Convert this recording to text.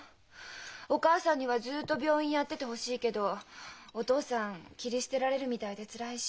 お母さんにはずっと病院やっててほしいけどお父さん切り捨てられるみたいでつらいし。